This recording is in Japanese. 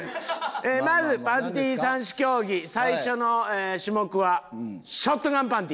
まずパンティ３種競技最初の種目はショットガンパンティ。